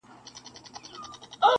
o د غوجلې صحنه يادېږي بيا بيا,